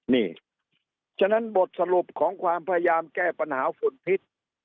นี่ฉะนั้นบทสรุปของความพยายามแก้ปัญหาฝุ่นพิษ